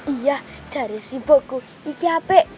iya cari sibukku iki hape